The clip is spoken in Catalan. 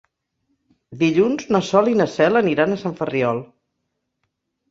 Dilluns na Sol i na Cel aniran a Sant Ferriol.